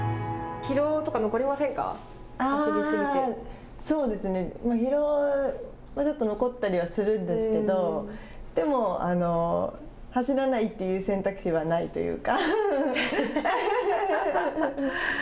疲労はちょっと残ったりはするんですけどでも、走らないという選択肢はないというか。